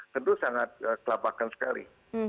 tentu sangat kelabakan sekali